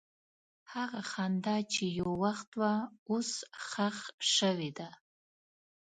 هغه خندا چې یو وخت وه، اوس ښخ شوې ده.